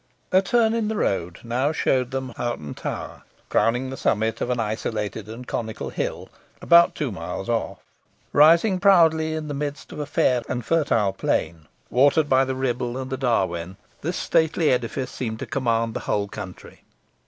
A turn in the road now showed them Hoghton Tower, crowning the summit of an isolated and conical hill, about two miles off. Rising proudly in the midst of a fair and fertile plain, watered by the Ribble and the Darwen, the stately edifice seemed to command the whole country.